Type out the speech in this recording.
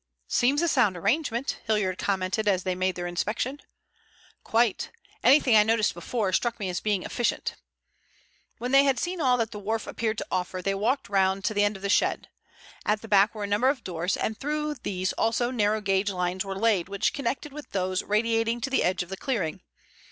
"Seems a sound arrangement," Hilliard commented as they made their inspection. "Quite. Anything I noticed before struck me as being efficient." When they had seen all that the wharf appeared to offer, they walked round the end of the shed. At the back were a number of doors, and through these also narrow gauge lines were laid which connected with those radiating to the edge of the clearing.